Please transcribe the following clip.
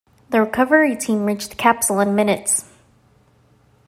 The recovery team reached the capsule in minutes.